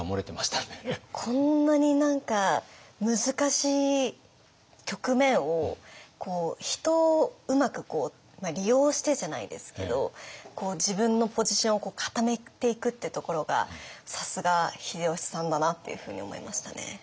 こんなに何か難しい局面を人をうまく利用してじゃないですけど自分のポジションを固めていくってところがさすが秀吉さんだなっていうふうに思いましたね。